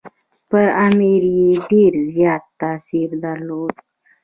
پر امیر یې ډېر زیات تاثیر درلود.